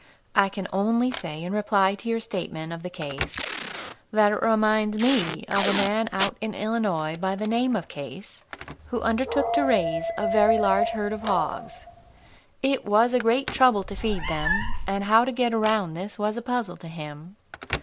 I can only say in reply to your statement of the case that it reminds me of a man out in Illinois, by the name of Case, who undertook to raise a very large herd of hogs. It was a great trouble to feed them, and how to get around this was a puzzle to him.